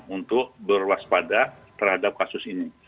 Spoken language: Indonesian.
untuk berwaspada terhadap kasus ini